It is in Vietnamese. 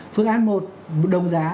phương án một đồng giá